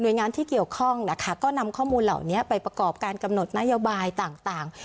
โดยงานที่เกี่ยวข้องนะคะก็นำข้อมูลเหล่านี้ไปประกอบการกำหนดนโยบายต่าง